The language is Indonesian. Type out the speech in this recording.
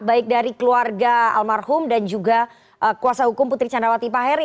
baik dari keluarga almarhum dan juga kuasa hukum putri candrawati pak heri